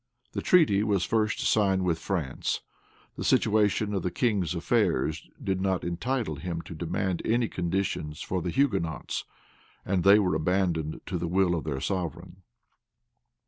The treaty was first signed with France.[*] The situation of the king's affairs did not entitle him to demand any conditions for the Hugonots, and they were abandoned to the will of their sovereign.